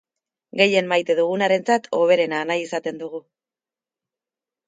Gehien maite dugunarentzat hoberena nahi izaten dugu.